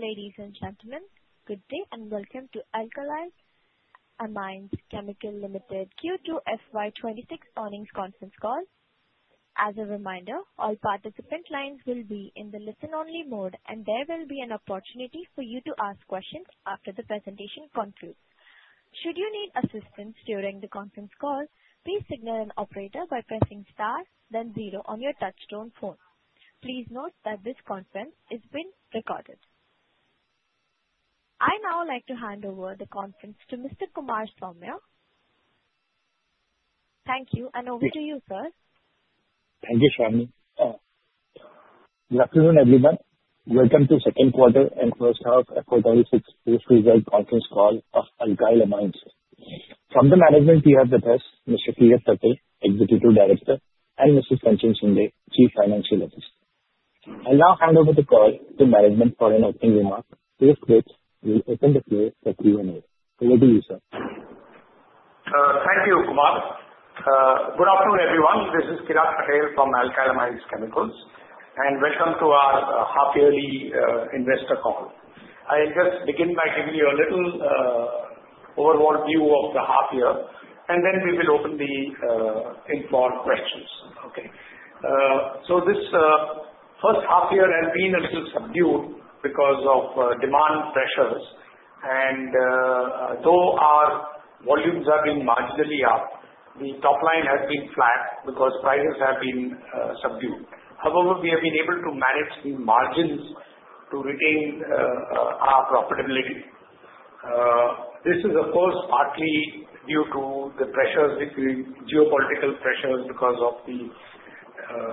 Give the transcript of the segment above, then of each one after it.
Ladies and gentlemen, good day and welcome to Alkyl Amines Chemicals Limited Q2 FY 2026 Earnings Conference Call. As a reminder, all participant lines will be in the listen-only mode, and there will be an opportunity for you to ask questions after the presentation concludes. Should you need assistance during the conference call, please signal an operator by pressing star, then zero on your touch tone phone. Please note that this conference is being recorded. I now like to hand over the conference to Mr. Kumar Saumya. Thank you, and over to you, sir. Thank you, Swami. Good afternoon, everyone. Welcome to second quarter and first half FY 2026 post-result conference call of Alkyl Amines. From the management team, we have with us Mr. Kirat Patel, Executive Director, and Mrs. Kanchan Shinde, Chief Financial Officer. I now hand over the call to management for an opening remark, which will open the floor for Q&A. Over to you, sir. Thank you, Kumar. Good afternoon, everyone. This is Kirat Patel from Alkyl Amines Chemicals, and welcome to our half-yearly investor call. I'll just begin by giving you a little overall view of the half year, and then we will open the informed questions. Okay. So this first half year has been a little subdued because of demand pressures, and though our volumes have been marginally up, the top line has been flat because prices have been subdued. However, we have been able to manage the margins to retain our profitability. This is, of course, partly due to the geopolitical pressures because of the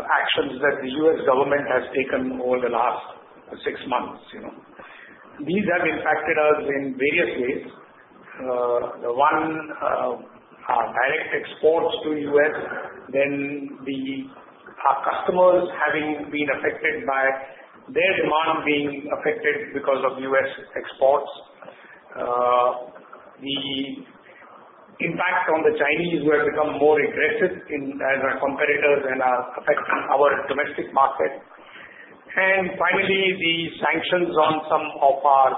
actions that the U.S. government has taken over the last six months. These have impacted us in various ways. One, our direct exports to the U.S., then our customers having been affected by their demand being affected because of U.S. exports. The impact on the Chinese who have become more aggressive as our competitors and are affecting our domestic market, and finally, the sanctions on some of our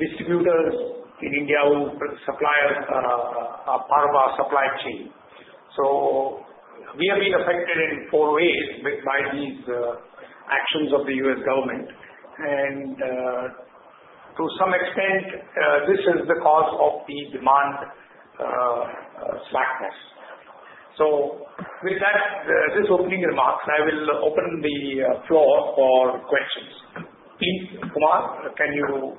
distributors in India, suppliers who are part of our supply chain, so we have been affected in four ways by these actions of the U.S. government, and to some extent, this is the cause of the demand slackness, so with that, this opening remark, I will open the floor for questions. Please, Kumar, can you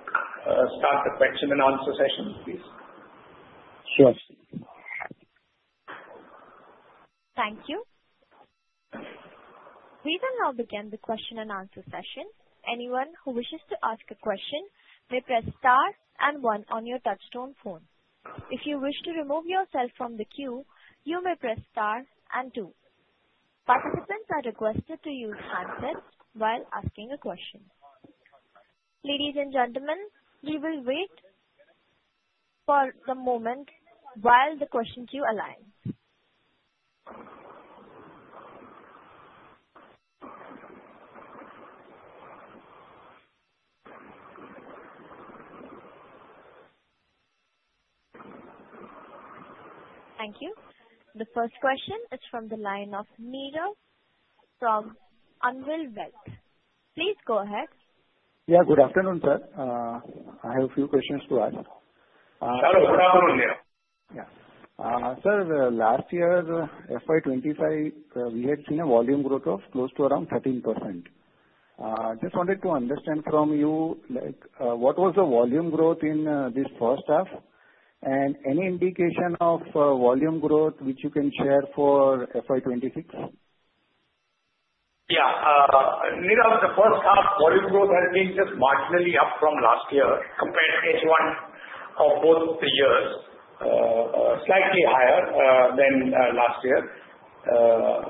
start the question and answer session, please? Sure. Thank you. We will now begin the question and answer session. Anyone who wishes to ask a question may press star and one on your touchstone phone. If you wish to remove yourself from the queue, you may press star and two. Participants are requested to use handsets while asking a question. Ladies and gentlemen, we will wait for the moment while the question queue aligns. Thank you. The first question is from the line of Nirav from Anvil Wealth. Please go ahead. Yeah, good afternoon, sir. I have a few questions to ask. Shalom, good afternoon, Nirav. Yeah. Sir, last year, FY 2025, we had seen a volume growth of close to around 13%. Just wanted to understand from you, what was the volume growth in this first half, and any indication of volume growth which you can share for FY 2026? Yeah. Nirav, the first half volume growth has been just marginally up from last year compared to H1 of both the years, slightly higher than last year.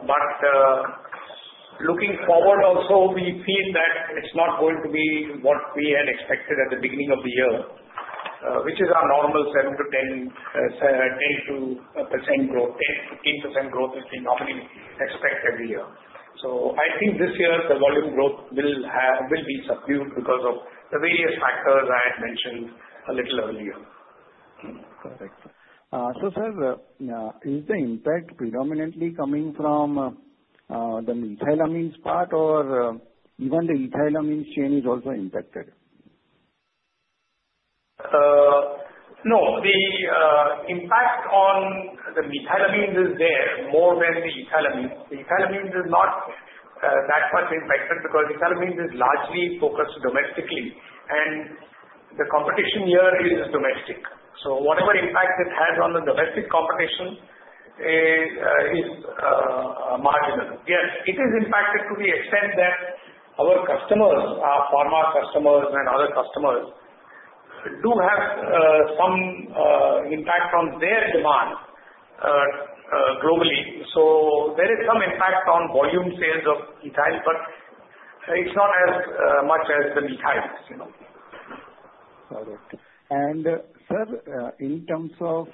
But looking forward also, we feel that it's not going to be what we had expected at the beginning of the year, which is our normal 7% to 10% to 10% growth, 10% to 15% growth has been normally expected here. So I think this year, the volume growth will be subdued because of the various factors I had mentioned a little earlier. Perfect. So sir, is the impact predominantly coming from the methylamines part, or even the ethylamines chain is also impacted? No. The impact on the methylamines is there more than the ethylamines. The ethylamines is not that much impacted because ethylamines is largely focused domestically, and the competition here is domestic. So whatever impact it has on the domestic competition is marginal. Yes, it is impacted to the extent that our customers, our pharma customers and other customers, do have some impact on their demand globally. So there is some impact on volume sales of ethyl, but it's not as much as the methyl. Got it. And sir, in terms of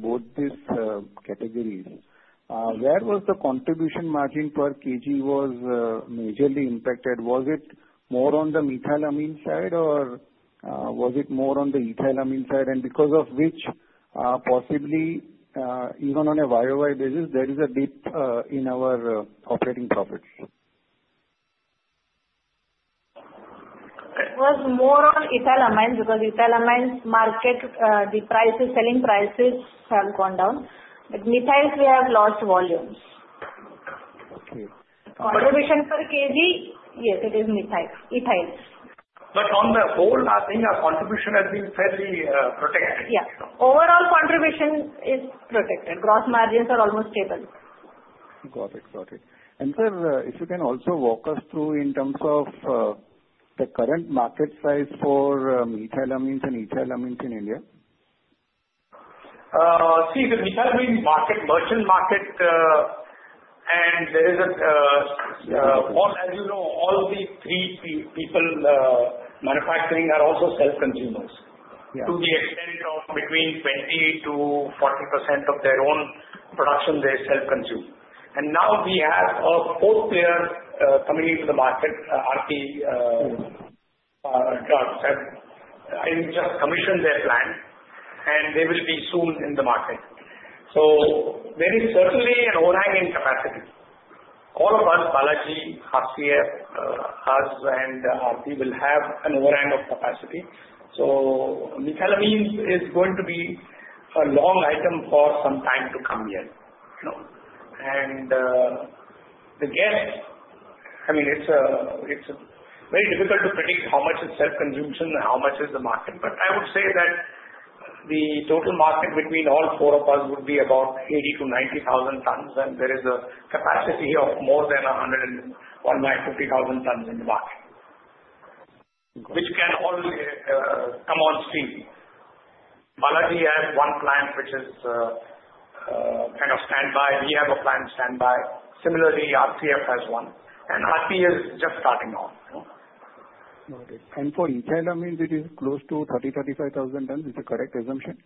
both these categories, where was the contribution margin per kg was majorly impacted? Was it more on the methylamine side, or was it more on the ethylamine side? And because of which, possibly, even on a YoY basis, there is a dip in our operating profits? It was more on ethylamines because ethylamines market, the prices, selling prices have gone down. But methyls, we have lost volumes. Okay. Contribution per kg, yes, it is methyl, ethyls. But on the whole, I think our contribution has been fairly protected. Yeah. Overall contribution is protected. Gross margins are almost stable. Got it. Got it. And sir, if you can also walk us through in terms of the current market size for methylamines and ethylamines in India? See, the methylamine market, merchant market, and there is, both as you know, all the three people manufacturing are also self-consumers to the extent of between 20% to 40% of their own production, they self-consume. And now we have a fourth player coming into the market, Aarti Drugs. They just commissioned their plant, and they will be soon in the market. So there is certainly an overhanging capacity. All of us, Balaji, RCF, us, and Aarti will have an overhang of capacity. So methylamines is going to be a long item for some time to come here. And the gap, I mean, it's very difficult to predict how much is self-consumption and how much is the market. But I would say that the total market between all four of us would be about 80, 000 to 90,000 tons, and there is a capacity of more than 150,000 tons in the market, which can all come on stream. Balaji has one plant which is kind of standby. We have a plant standby. Similarly, RCF has one. And Aarti is just starting off. Noted and for ethylamines, it is close to 30,000 tons to 35,000 tons, is the correct assumption?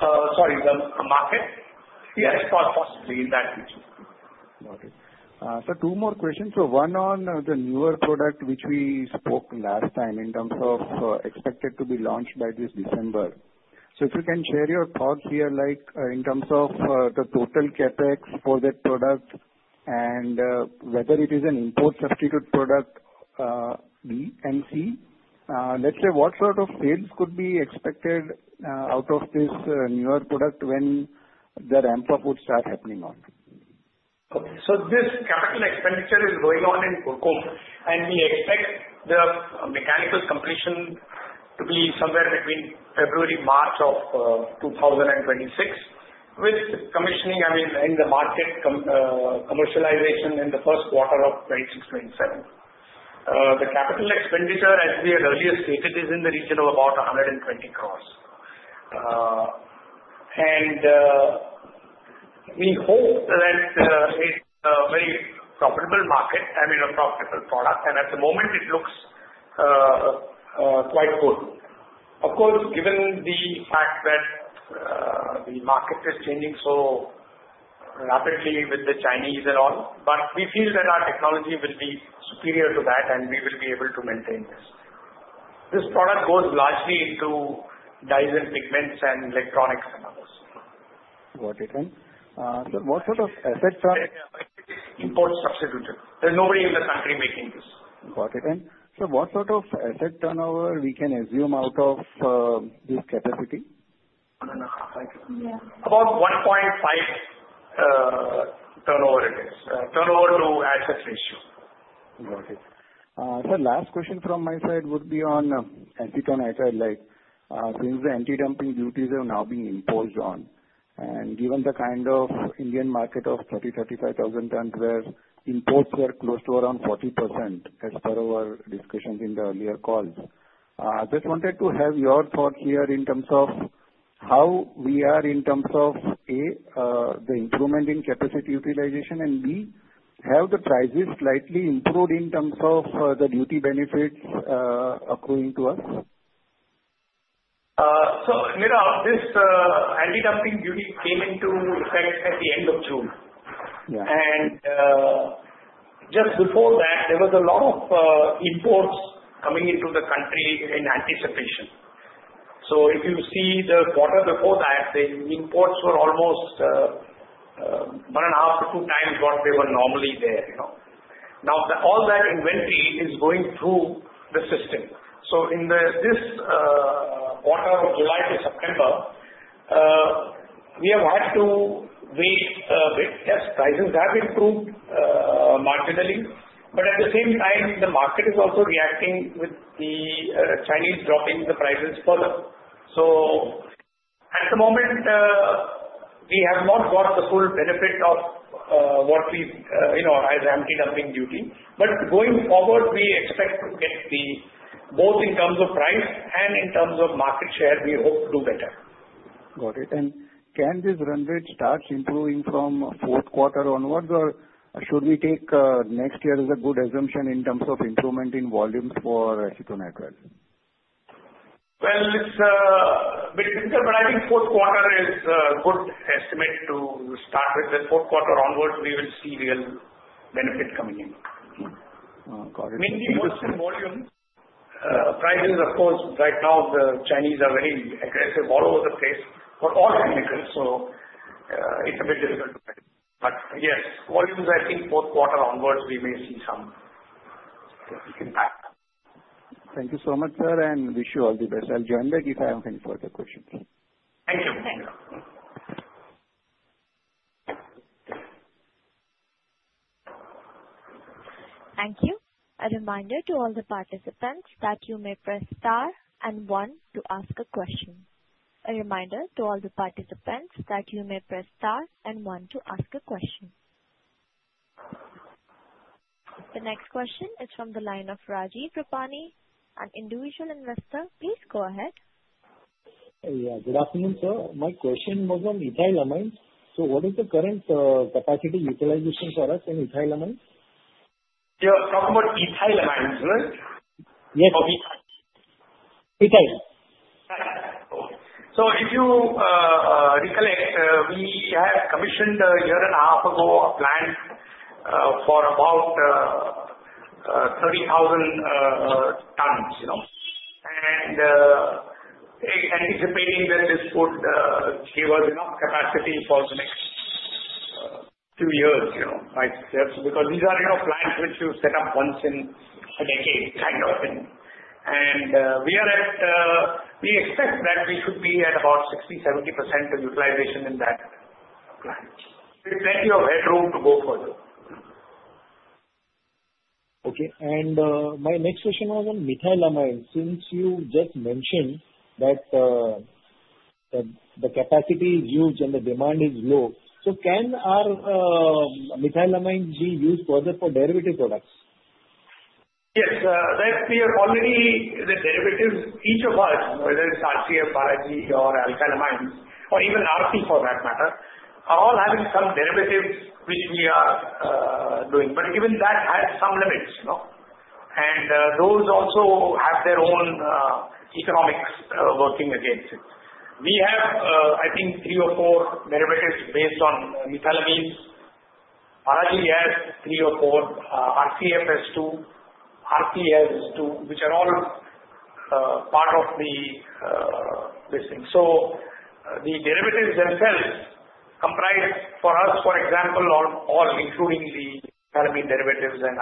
Sorry, the market? Yes. Yes, possibly in that region. Noted. So two more questions. So one on the newer product which we spoke last time in terms of expected to be launched by this December. So if you can share your thoughts here in terms of the total CapEx for that product and whether it is an import substitute product, DMC, let's say what sort of sales could be expected out of this newer product when the ramp-up would start happening on? Okay. So this capital expenditure is going on in Kurkumbh, and we expect the mechanical completion to be somewhere between February, March of 2026, with commissioning, I mean, in the market, commercialization in the first quarter of 2026-2027. The capital expenditure, as we had earlier stated, is in the region of about 120 crores. And we hope that it's a very profitable market, I mean, a profitable product. And at the moment, it looks quite good. Of course, given the fact that the market is changing so rapidly with the Chinese and all, but we feel that our technology will be superior to that, and we will be able to maintain this. This product goes largely into dyes and pigments and electronics and others. Got it. And, sir, what sort of asset turnover? Import substitute. There's nobody in the country making this. Got it. And sir, what sort of asset turnover we can assume out of this capacity? About 1.5 turnover it is, turnover to asset ratio. Got it. Sir, last question from my side would be on anti-dumping on isopropylamine, since the anti-dumping duties have now been imposed on, and given the kind of Indian market of 30,000 tons, 35,000 tons where imports were close to around 40% as per our discussions in the earlier calls, I just wanted to have your thoughts here in terms of how we are in terms of, A, the improvement in capacity utilization, and B, how the prices slightly improved in terms of the duty benefits accruing to us? So Nirav, this anti-dumping duty came into effect at the end of June. And just before that, there was a lot of imports coming into the country in anticipation. So if you see the quarter before that, the imports were almost one and a half to two times what they were normally there. Now, all that inventory is going through the system. So in this quarter of July to September, we have had to wait a bit. Yes, prices have improved marginally, but at the same time, the market is also reacting with the Chinese dropping the prices further. So at the moment, we have not got the full benefit of what these anti-dumping duty. But going forward, we expect to get both in terms of price and in terms of market share, we hope to do better. Got it. And can this run rate start improving from fourth quarter onwards, or should we take next year as a good assumption in terms of improvement in volumes for acetonitrile? It's a bit difficult, but I think fourth quarter is a good estimate to start with. The fourth quarter onwards, we will see real benefit coming in. Got it. Mainly just in volume. Prices, of course, right now, the Chinese are very aggressive all over the place for all chemicals. So it's a bit difficult to predict. But yes, volumes, I think fourth quarter onwards, we may see some impact. Thank you so much, sir, and wish you all the best. I'll join back if I have any further questions. Thank you. Thank you. A reminder to all the participants that you may press star and one to ask a question. The next question is from the line of Ranjeet Sahani, an individual investor. Please go ahead. Yeah. Good afternoon, sir. My question was on ethylamine. So what is the current capacity utilization for us in ethylamine? You're talking about ethylamine, right? Yes. Or methyl? Methyl. Methyl. So if you recollect, we had commissioned a year and a half ago a plant for about 30,000 tons. And anticipating that this would give us enough capacity for the next few years, right? Because these are plants which you set up once in a decade, kind of. And we expect that we should be at about 60%-70% utilization in that plant. With plenty of headroom to go further. Okay. And my next question was on methylamine. Since you just mentioned that the capacity is huge and the demand is low, so can our methylamine be used further for derivative products? Yes. We have already, the derivatives, each of us, whether it's RCF, Balaji, or Alkyl Amines, or even Aarti for that matter, are all having some derivatives which we are doing, but even that has some limits, and those also have their own economics working against it. We have, I think, three or four derivatives based on methylamines. Balaji has three or four, RCF has two, Aarti has two, which are all part of this thing, so the derivatives themselves comprise for us, for example, all including the methylamine derivatives and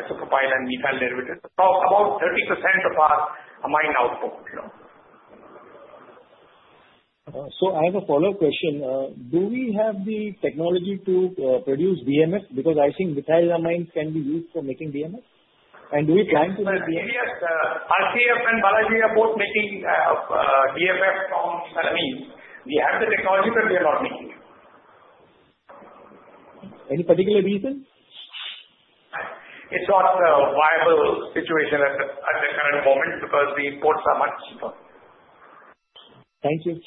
isopropyl and methyl derivatives, about 30% of our amine output. So I have a follow-up question. Do we have the technology to produce DMF? Because I think methylamines can be used for making DMF. And do we plan to make DMF? Yes, RCF and Balaji are both making DMF from methylamine. We have the technology, but we are not making it. Any particular reason? It's not a viable situation at the current moment because the imports are much cheaper. Thank you.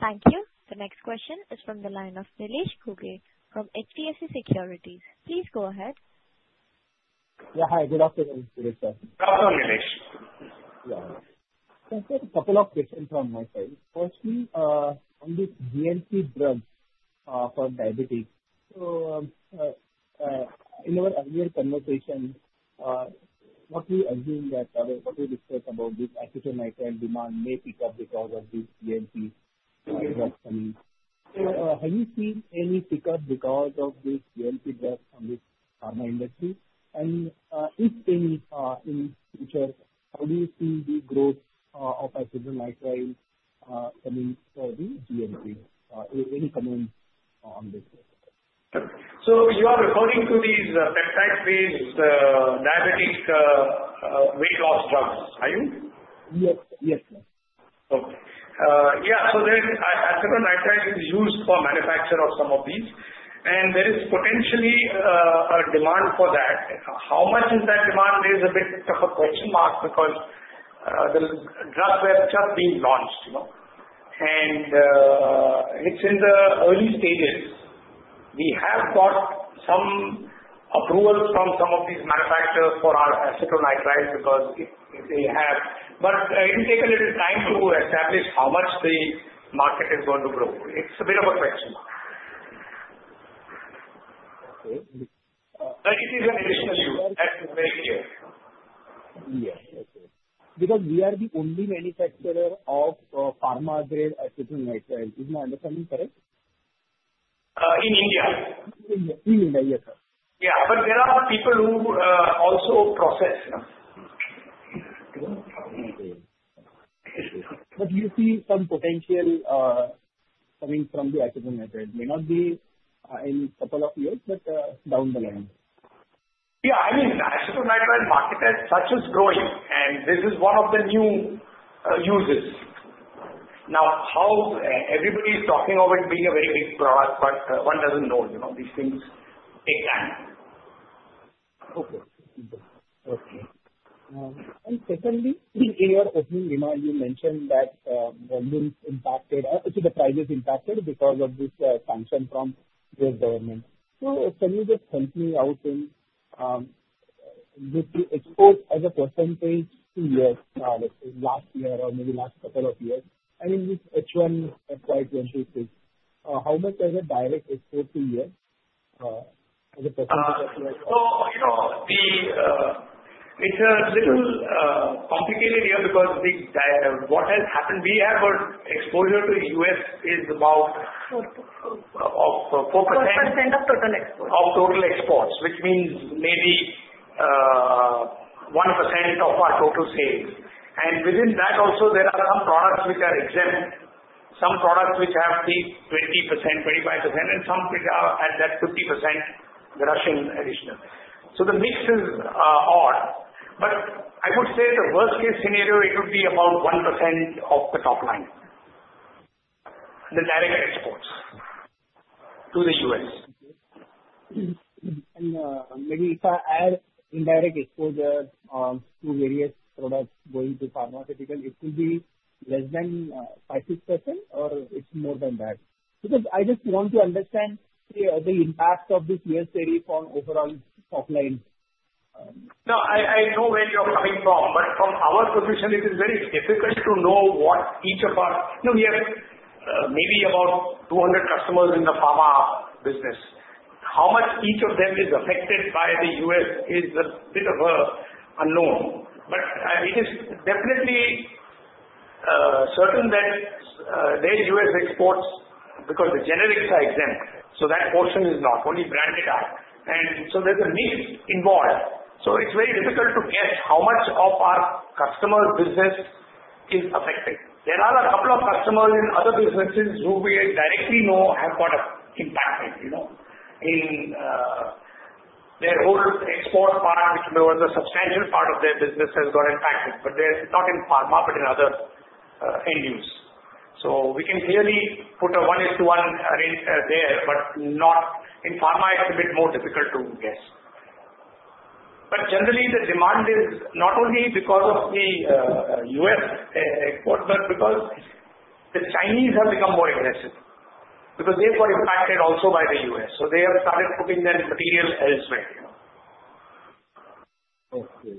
Thank you. The next question is from the line of Nilesh Ghuge from HDFC Securities. Please go ahead. Yeah. Hi. Good afternoon. Welcome, Nilesh. Yeah. Can I ask a couple of questions from my side? Firstly, on these GLP-1 drugs for diabetes, so in our earlier conversation, what we assume that what we discussed about this acetonitrile demand may pick up because of these GLP-1 drugs are coming. Have you seen any pickup because of these GLP-1 drugs on this pharma industry? And if any, in future, how do you see the growth of acetonitrile coming for the GLP-1? Any comments on this? So you are referring to these peptide-based diabetic weight loss drugs, are you? Yes. Yes, sir. Okay. Yeah. So acetonitrile is used for manufacture of some of these, and there is potentially a demand for that. How much is that demand is a bit of a question mark because the drugs have just been launched, and it's in the early stages. We have got some approval from some of these manufacturers for our acetonitrile because they have. But it will take a little time to establish how much the market is going to grow. It's a bit of a question mark. Okay. But it is an additional use. That is very clear. Yes. Okay. Because we are the only manufacturer of pharma-grade acetonitrile. Is my understanding correct? In India. In India. Yes, sir. Yeah. But there are people who also process. Okay. But you see some potential coming from the acetonitrile. It may not be in a couple of years, but down the line. Yeah. I mean, acetonitrile market as such is growing, and this is one of the new uses. Now, everybody is talking of it being a very big product, but one doesn't know. These things take time. Okay. Okay. And secondly, in your opening remark, you mentioned that volumes impacted actually, the prices impacted because of this sanction from the government. So can you just help me out with the export as a percentage to U.S., let's say last year or maybe last couple of years? I mean, which one applies when you say, how much is the direct export to U.S. as a percentage of total? It's a little complicated here because what has happened, we have an exposure to the U.S. is about 4%. 4% of total exports. Of total exports, which means maybe 1% of our total sales, and within that, also, there are some products which are exempt, some products which have the 20%, 25%, and some which are at that 50%, the Russian additional, so the mix is odd, but I would say the worst-case scenario, it would be about 1% of the top line, the direct exports to the U.S. Maybe if I add indirect exposure to various products going to pharmaceuticals, it could be less than 5%-6%, or it's more than that? Because I just want to understand the impact of this U.S. series on overall top line. No, I know where you're coming from. But from our position, it is very difficult to know what each of us, we have maybe about 200 customers in the pharma business. How much each of them is affected by the U.S. is a bit of an unknown. But it is definitely certain that their U.S. exports, because the generics are exempt, so that portion is not. Only branded are. And so there's a mix involved. So it's very difficult to guess how much of our customer's business is affected. There are a couple of customers in other businesses who we directly know have got impacted in their whole export part, if there was a substantial part of their business that were impacted. But it's not in pharma, but in other end use. So we can clearly put a 1:1 ratio there, but in pharma, it's a bit more difficult to guess. But generally, the demand is not only because of the U.S. export, but because the Chinese have become more aggressive because they've got impacted also by the U.S. So they have started putting their material elsewhere. Okay.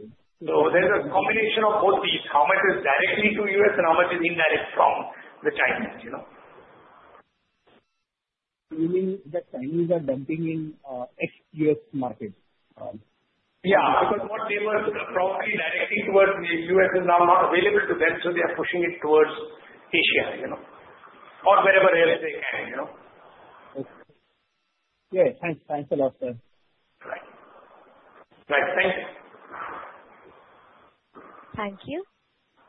So there's a combination of both these. How much is directly to U.S. and how much is indirect from the Chinese? You mean that Chinese are dumping in ex-U.S. markets? Yeah. Because what they were probably directing towards the U.S. is now not available to them, so they are pushing it towards Asia or wherever else they can. Okay. Yeah. Thanks. Thanks a lot, sir. Right. Right. Thank you. Thank you.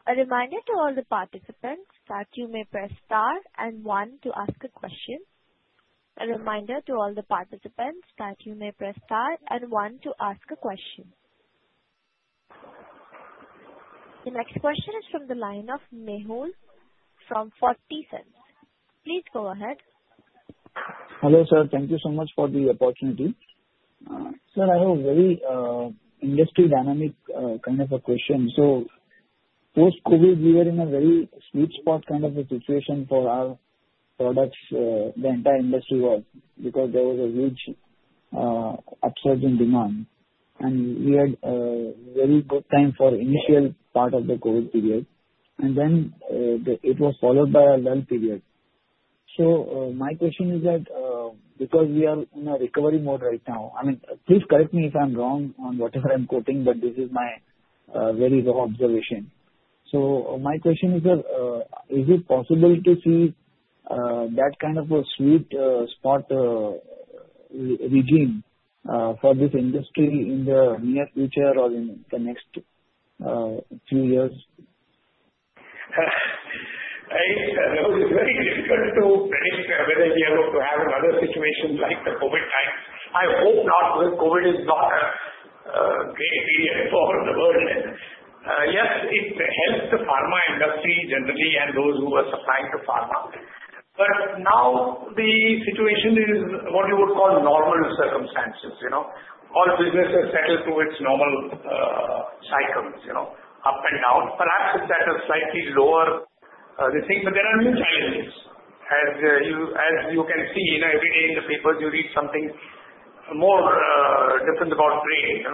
A reminder to all the participants that you may press star and one to ask a question. The next question is from the line of Mehul from Purnartha. Please go ahead. Hello, sir. Thank you so much for the opportunity. Sir, I have a very industry dynamic kind of a question. So post-COVID, we were in a very sweet spot kind of a situation for our products, the entire industry was, because there was a huge upsurging demand. And we had a very good time for the initial part of the COVID period. And then it was followed by a lull period. So my question is that because we are in a recovery mode right now, I mean, please correct me if I'm wrong on whatever I'm quoting, but this is my very raw observation. So my question is, is it possible to see that kind of a sweet spot regain for this industry in the near future or in the next few years? It's very difficult to predict whether we are going to have another situation like the COVID times. I hope not because COVID is not a great period for the world. Yes, it helped the pharma industry generally and those who were supplying to pharma. But now the situation is what you would call normal circumstances. All businesses settle to its normal cycles, up and down. Perhaps it's at a slightly lower thing, but there are new challenges. As you can see, every day in the papers, you read something more different about trade.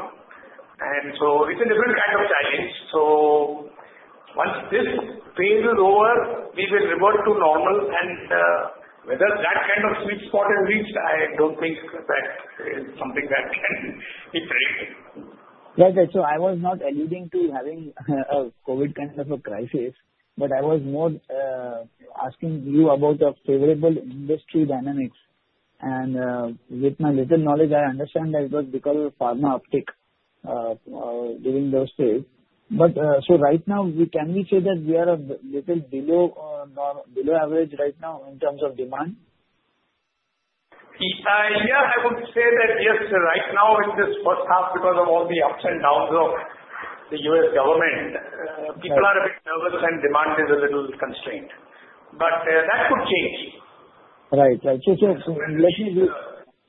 And so it's a different kind of challenge. So once this phase is over, we will revert to normal. And whether that kind of sweet spot is reached, I don't think that is something that can be predicted. I was not alluding to having a COVID kind of a crisis, but I was more asking you about the favorable industry dynamics. With my little knowledge, I understand that it was because of pharma uptick during those days. Right now, can we say that we are a little below average right now in terms of demand? Yeah. I would say that, yes, right now, it is worse because of all the ups and downs of the U.S. government. People are a bit nervous, and demand is a little constrained. But that could change. Right. Right. So let me just.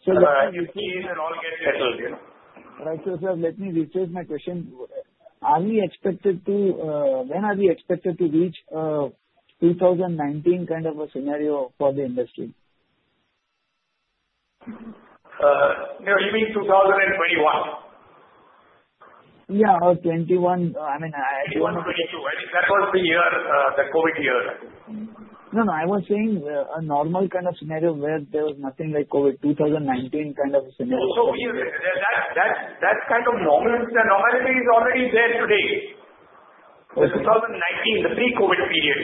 You see it and all get settled. Right. So, sir, let me restate my question. When are we expected to reach a 2019 kind of a scenario for the industry? You mean 2021? Yeah. Or 2021. I mean, I don't know. 2021 or 2022. I think that was the year, the COVID year. No, no. I was saying a normal kind of scenario where there was nothing like COVID, 2019 kind of a scenario. So that kind of normality is already there today. It's 2019, the pre-COVID period.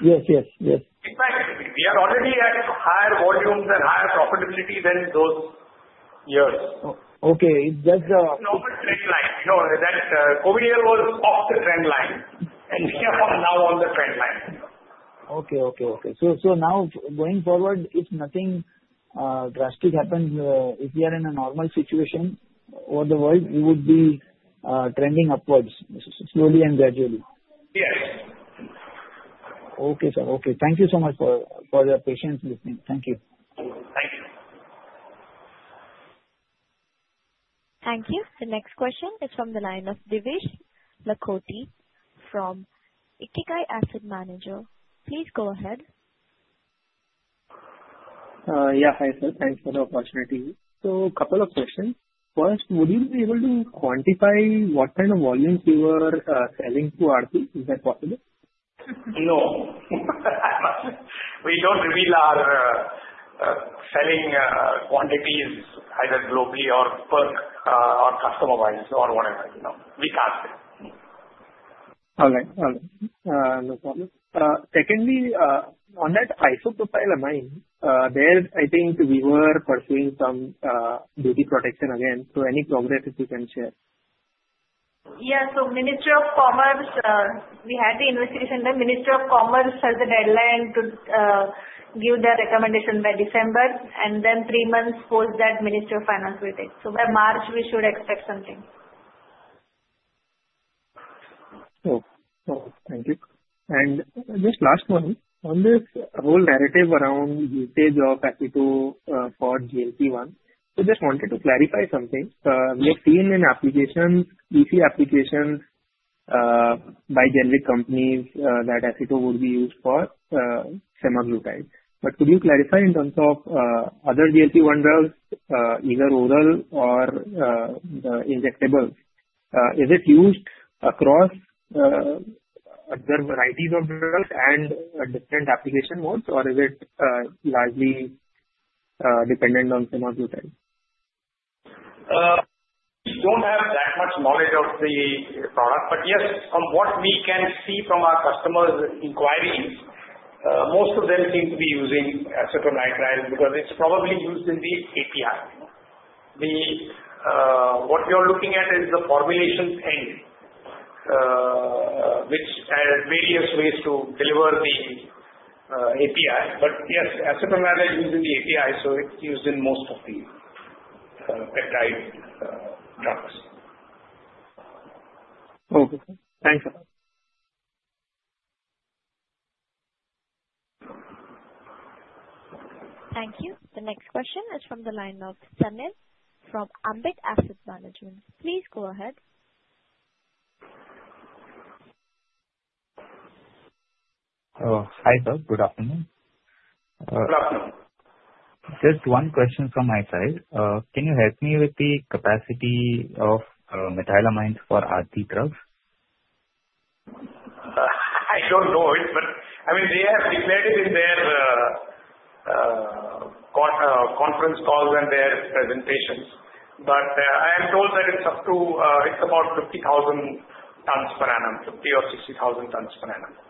Yes. Yes. Yes. In fact, we are already at higher volumes and higher profitability than those years. Okay. It's just. It's a normal trend line. That COVID year was off the trend line. And we are now on the trend line. Okay. So now, going forward, if nothing drastic happens, if we are in a normal situation over the world, we would be trending upwards slowly and gradually. Yes. Okay, sir. Okay. Thank you so much for your patience listening. Thank you. Thank you. Thank you. The next question is from the line of Devesh Lakhotia from Ikigai Asset Management. Please go ahead. Yeah. Hi, sir. Thanks for the opportunity. So a couple of questions. First, would you be able to quantify what kind of volumes you were selling to Aarti? Is that possible? No. We don't reveal our selling quantities either globally or per our customer-wise or whatever. We can't. All right. All right. No problem. Secondly, on that isopropylamine, there, I think we were pursuing some duty protection again. So any progress that you can share? Yeah. So, Ministry of Commerce, we had the investigation. The Ministry of Commerce has a deadline to give their recommendation by December, and then three months post that, Ministry of Finance will take, so by March, we should expect something. Okay. Okay. Thank you. And just last one, on this whole narrative around usage of acetonitrile for GLP-1, I just wanted to clarify something. We have seen in applications, we see applications by generic companies that acetonitrile would be used for semaglutide. But could you clarify in terms of other GLP-1 drugs, either oral or injectable, is it used across other varieties of drugs and different application modes, or is it largely dependent on semaglutide? We don't have that much knowledge of the product. But yes, from what we can see from our customers' inquiries, most of them seem to be using acetonitrile because it's probably used in the API. What we are looking at is the formulation end, which has various ways to deliver the API. But yes, acetonitrile is used in the API, so it's used in most of the peptide drugs. Okay. Thanks. Thank you. The next question is from the line of Sanil from Ambit Asset Management. Please go ahead. Hi, sir. Good afternoon. Good afternoon. Just one question from my side. Can you help me with the capacity of methylamines for Aarti drugs? I don't know it. But I mean, they have declared it in their conference calls and their presentations. But I am told that it's about 50,000 tons per annum, 50,000 tons or 60,000 tons per annum.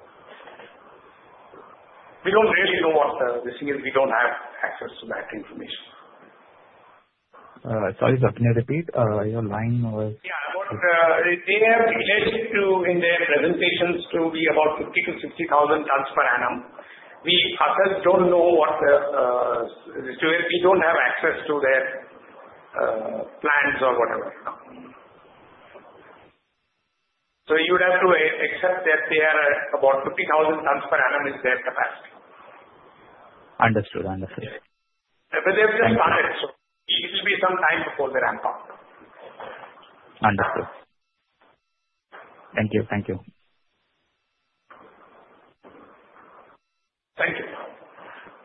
We don't really know what the thing is. We don't have access to that information. Sorry, sir. Can you repeat? Your line was. Yeah. They have declared in their presentations to be about 50,000 tons to 60,000 tons per annum. We ourselves don't know. We don't have access to their plans or whatever. So you would have to accept that they are about 50,000 tons per annum is their capacity. Understood. Understood. But they have just started, so it will be some time before they ramp up. Understood. Thank you. Thank you. Thank you.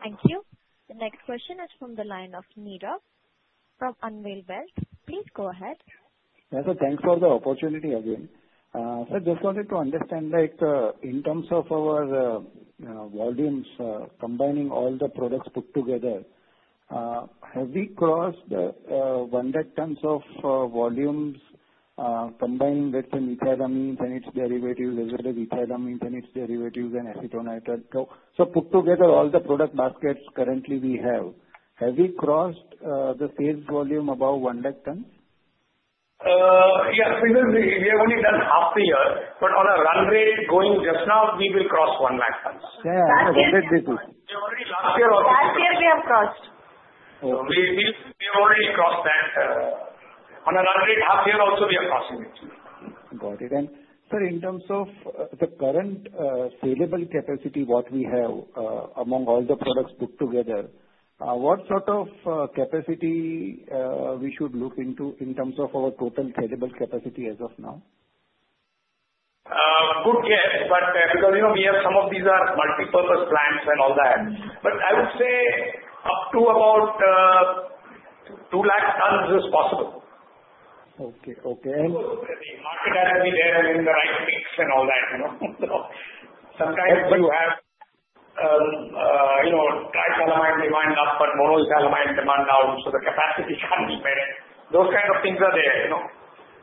Thank you. The next question is from the line of Nirav from Anvil Wealth. Please go ahead. Yeah. So thanks for the opportunity again. Sir, just wanted to understand in terms of our volumes, combining all the products put together, have we crossed the 100 tons of volumes combined with the methylamines and its derivatives, as well as methylamines and its derivatives and acetonitrile? So put together all the product baskets currently we have, have we crossed the sales volume above 100 tons? Yeah. We have only done half a year. But on a run rate going just now, we will cross 100 tons. Yeah. 100 tons. We have already last year also. Last year, we have crossed. We have already crossed that. On a run rate half a year also, we are crossing it. Got it. And sir, in terms of the current saleable capacity, what we have among all the products put together, what sort of capacity we should look into in terms of our total saleable capacity as of now? Good guess. But because we have some of these are multipurpose plants and all that. But I would say up to about 200,000 tons is possible. Okay. And. The market has to be there in the right mix and all that. So sometimes you have triethylamine demand up, but monoethylamine demand down, so the capacity can't be better. Those kind of things are there.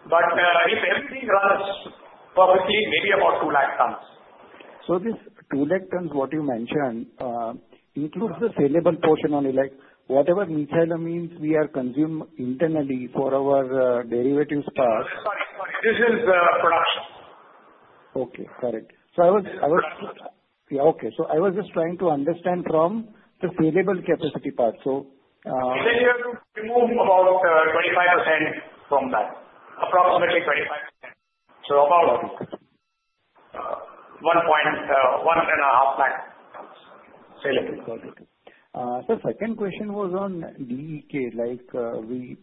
But if everything runs perfectly, maybe about 200,000 tons. So this 200,000 tons what you mentioned includes the saleable portion only. Whatever methylamines we are consuming internally for our derivatives part. This is production. Okay. Correct. So I was. On the production side. Yeah. Okay. So I was just trying to understand from the saleable capacity part. So. And then you have to remove about 25% from that, approximately 25%. So about 150,000 saleable. Got it. So second question was on DEK. We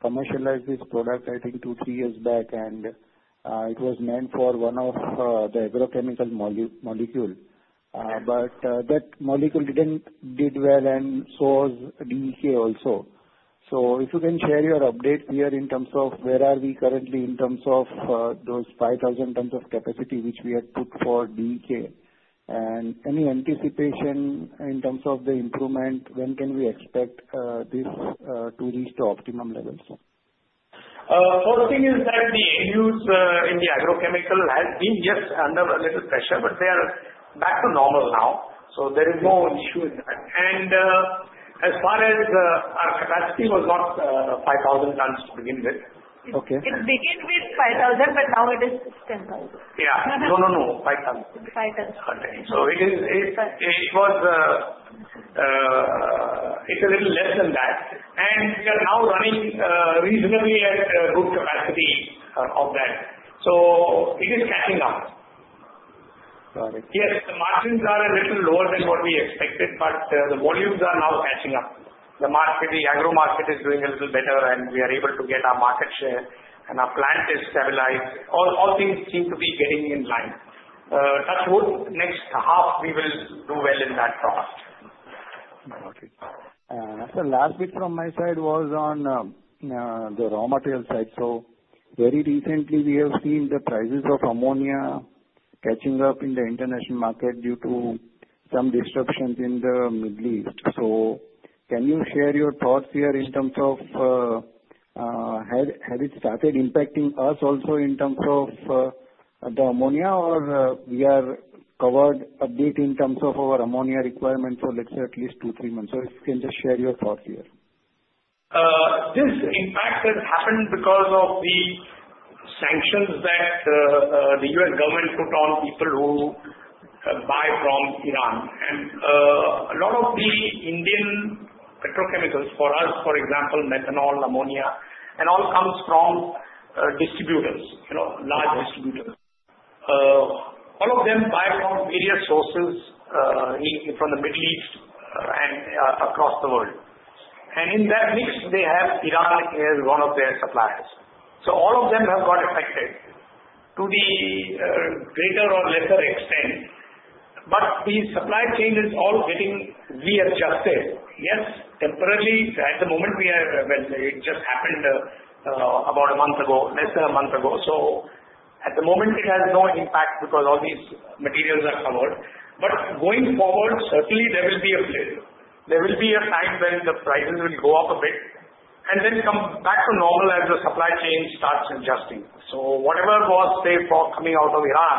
commercialized this product, I think, two, three years back, and it was meant for one of the agrochemical molecules. But that molecule didn't do well and so was DEK also. So if you can share your update here in terms of where are we currently in terms of those 5,000 tons of capacity which we had put for DEK? And any anticipation in terms of the improvement? When can we expect this to reach the optimum level? First thing is that the end use in the agrochemical has been just under a little pressure, but they are back to normal now. So there is no issue with that, and as far as our capacity was not 5,000 tons to begin with. It began with 5,000 tons, but now it is 10,000 tons. Yeah. No, no, no. 5,000 tons. 5,000 tons. Containers. So it was a little less than that. And we are now running reasonably at a good capacity of that. So it is catching up. Got it. Yes. The margins are a little lower than what we expected, but the volumes are now catching up. The agro market is doing a little better, and we are able to get our market share, and our plant is stabilized. All things seem to be getting in line. That's what next half we will do well in that product. Okay. So last bit from my side was on the raw material side. So very recently, we have seen the prices of ammonia catching up in the international market due to some disruptions in the Middle East. So can you share your thoughts here in terms of has it started impacting us also in terms of the ammonia, or we are covered update in terms of our ammonia requirement for, let's say, at least two, three months? So if you can just share your thoughts here. This impact has happened because of the sanctions that the U.S. government put on people who buy from Iran, and a lot of the Indian petrochemicals, for us, for example, methanol, ammonia, it all comes from distributors, large distributors. All of them buy from various sources from the Middle East and across the world, and in that mix, they have Iran as one of their suppliers, so all of them have got affected to the greater or lesser extent, but the supply chain is all getting readjusted. Yes, temporarily. At the moment, we are well, it just happened about a month ago, less than a month ago, so at the moment, it has no impact because all these materials are covered, but going forward, certainly, there will be a flip. There will be a time when the prices will go up a bit and then come back to normal as the supply chain starts adjusting. So whatever was, say, for coming out of Iran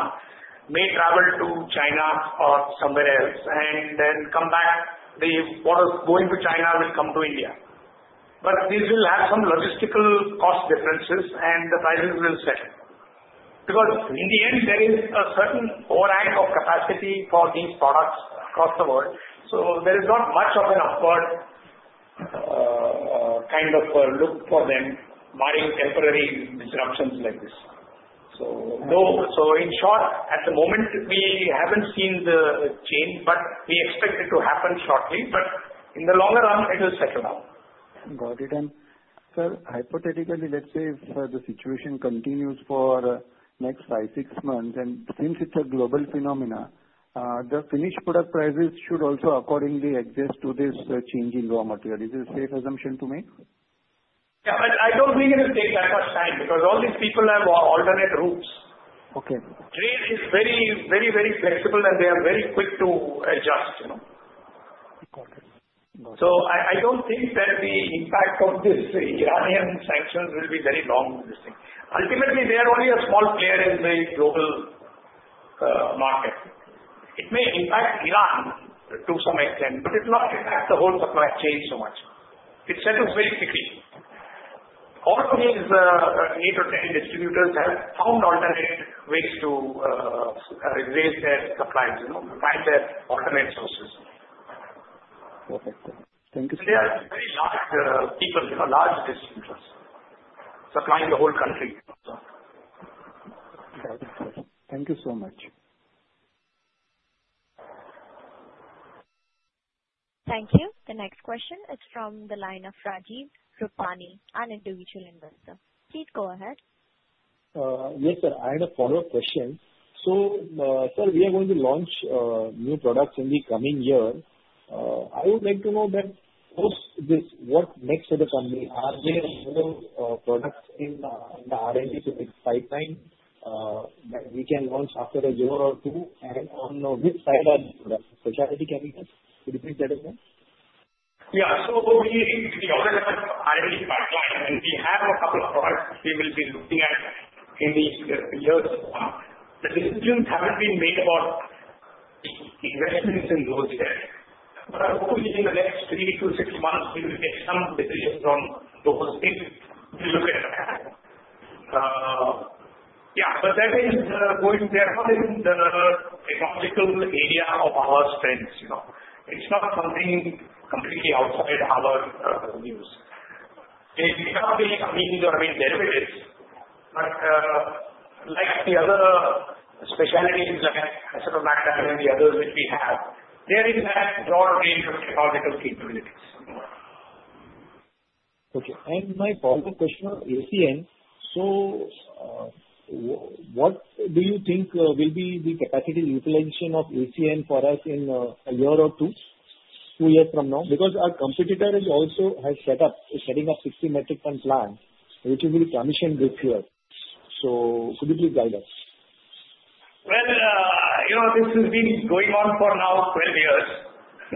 may travel to China or somewhere else and then come back. What was going to China will come to India. But this will have some logistical cost differences, and the prices will settle. Because in the end, there is a certain overhang of capacity for these products across the world. So there is not much of an upward kind of look for them beyond temporary disruptions like this. So in short, at the moment, we haven't seen the change, but we expect it to happen shortly. But in the longer run, it will settle down. Got it. And sir, hypothetically, let's say if the situation continues for the next five, six months, and since it's a global phenomenon, the finished product prices should also accordingly adjust to this change in raw material. Is it a safe assumption to make? Yeah. But I don't think it will take that much time because all these people have alternate routes. Okay. Trade is very, very, very flexible, and they are very quick to adjust. Got it. Got it. So I don't think that the impact of this Iranian sanctions will be very long-lasting. Ultimately, they are only a small player in the global market. It may impact Iran to some extent, but it will not impact the whole supply chain so much. It settles very quickly. All of these eight or 10 distributors have found alternate ways to raise their supplies, find their alternate sources. Perfect. Thank you. They are very large people, large distributors supplying the whole country. Got it. Thank you so much. Thank you. The next question is from the line of Ranjeet Sahani, an individual investor. Please go ahead. Yes, sir. I had a follow-up question. So sir, we are going to launch new products in the coming year. I would like to know that what next for the company? Are there more products in the R&D pipeline that we can launch after a year or two and on which side are the specialty chemicals? Could you please clarify? Yeah. So we already have R&D pipeline, and we have a couple of products we will be looking at in the years to come. The decisions haven't been made about investments in those yet. But hopefully, in the next three to six months, we will make some decisions on those if we look at that. Yeah. But that is going to be a part in the technological area of our strengths. It's not something completely outside our use. They cannot be amines or amine derivatives. But like the other specialties like acetonitrile and the others which we have, they are in that broad range of technological capabilities. Okay. And my follow-up question on ACN. So what do you think will be the capacity utilization of ACN for us in a year or two, two years from now? Because our competitor also has set up, is setting up 60 metric tons plant, which will be commissioned this year. So could you please guide us? This has been going on for now 12 years,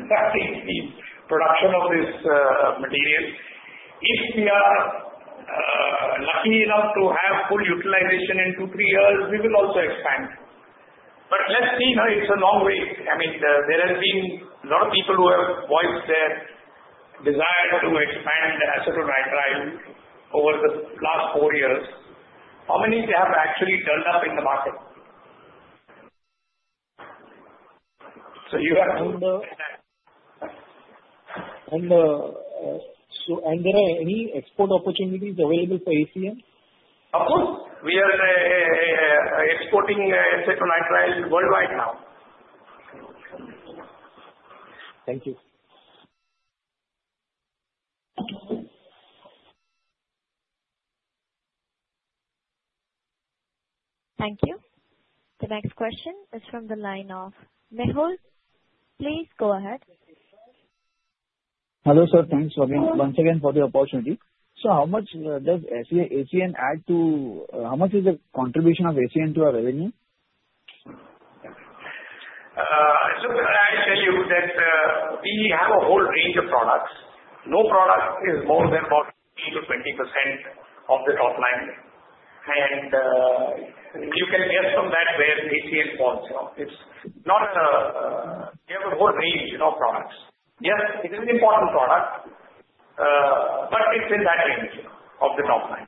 the production of this material. If we are lucky enough to have full utilization in two, three years, we will also expand. But let's see. It's a long way. I mean, there have been a lot of people who have voiced their desire to expand acetonitrile over the last four years. How many they have actually turned up in the market? So you have to look at that. Are there any export opportunities available for ACN? Of course. We are exporting acetonitrile worldwide now. Thank you. Thank you. The next question is from the line of Nirav. Please go ahead. Hello, sir. Thanks again for the opportunity. So how much does ACN add to, how much is the contribution of ACN to our revenue? I'll tell you that we have a whole range of products. No product is more than about 10% to 20% of the top line. You can guess from that where ACN falls. They have a whole range of products. Yes, it is an important product, but it's in that range of the top line.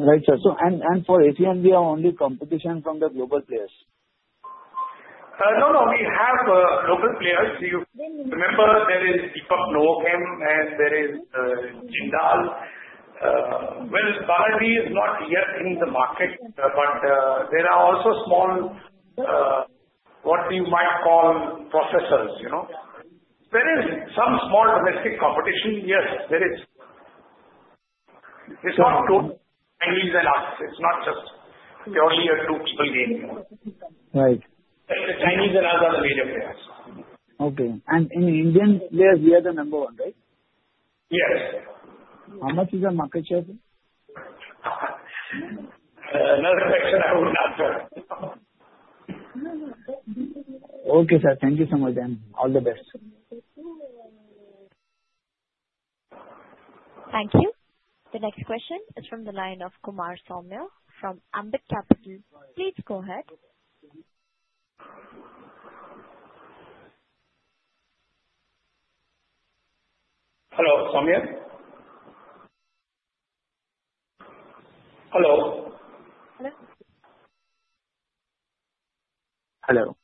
Right. And for ACN, we are only competition from the global players? No, no. We have local players. You remember there is Deepak Novochem, and there is Jindal. Well, Balaji is not yet in the market, but there are also small what we might call processors. There is some small domestic competition. Yes, there is. It's not only Chinese and us. It's not just purely a two-person game. Right. Plus the Chinese and other major players. Okay, and in Indian players, we are the number one, right? Yes. How much is your market share? Another question I would not answer. Okay, sir. Thank you so much, and all the best. Thank you. The next question is from the line of Kumar Saumya from Ambit Capital. Please go ahead. Hello. Saumya? Hello. Hello? Hello.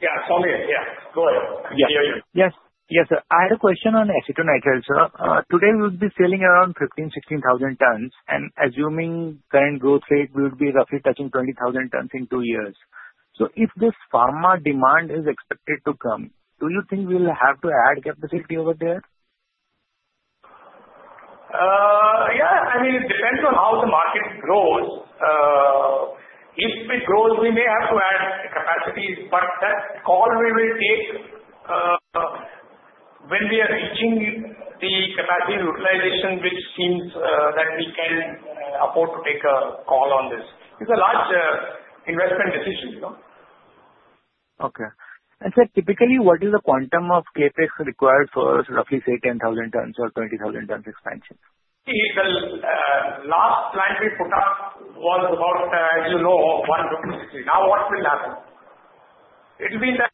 Yeah. Saumya. Yeah. Go ahead. I can hear you. Yes. Yes, sir. I had a question on acetonitrile, sir. Today, we would be selling around 15,000 tons to 16,000 tons. And assuming current growth rate, we would be roughly touching 20,000 tons in two years. So if this pharma demand is expected to come, do you think we will have to add capacity over there? Yeah. I mean, it depends on how the market grows. If it grows, we may have to add capacity. But that call we will take when we are reaching the capacity utilization, which seems that we can afford to take a call on this. It's a large investment decision. Okay. And sir, typically, what is the quantum of CapEx required for roughly, say, 10,000 tons or 20,000 tons expansion? See, the last plant we put up was about, as you know, 150. Now, what will happen? It will be that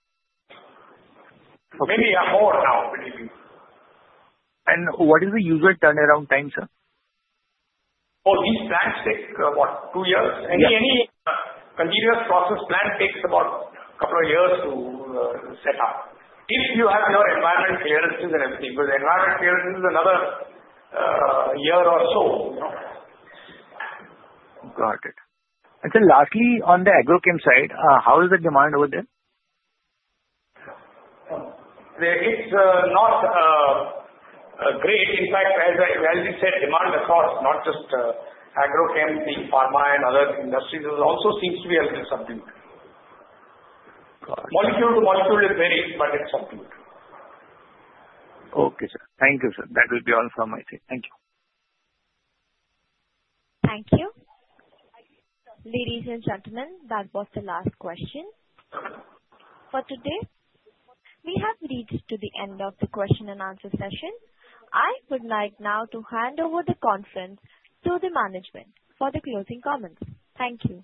maybe we have more now, we believe me. What is the usual turnaround time, sir? Oh, these plants take what, two years? Yeah. Any continuous process plant takes about a couple of years to set up. If you have your environmental clearances and everything. Because environmental clearances is another year or so. Got it. And sir, lastly, on the agrochem side, how is the demand over there? It's not great. In fact, as you said, demand across, not just agrochem, the pharma and other industries, also seems to be a little subdued. Molecule to molecule, it varies, but it's subdued. Okay, sir. Thank you, sir. That will be all from my side. Thank you. Thank you. Ladies and gentlemen, that was the last question for today. We have reached to the end of the question and answer session. I would like now to hand over the conference to the management for the closing comments. Thank you.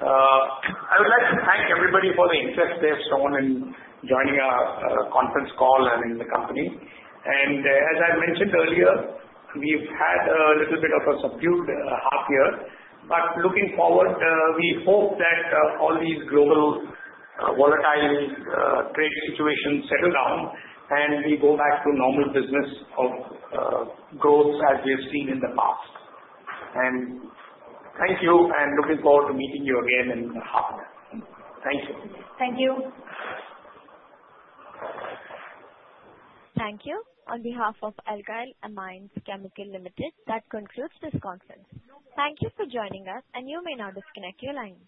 I would like to thank everybody for the interest they've shown in joining our conference call and in the company. And as I mentioned earlier, we've had a little bit of a subdued half year. But looking forward, we hope that all these global volatile trade situations settle down and we go back to normal business of growth as we have seen in the past. And thank you, and looking forward to meeting you again in half a year. Thank you. Thank you. Thank you. On behalf of Alkyl Amines Chemicals Limited, that concludes this conference. Thank you for joining us, and you may now disconnect your line.